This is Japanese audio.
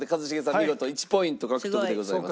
見事１ポイント獲得でございます。